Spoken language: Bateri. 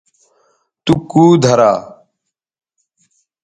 تو کوؤ دھرا